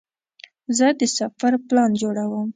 زه د سفر پلان جوړوم.